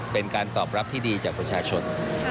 เป็นการตอบรับที่ดีจากประชาชน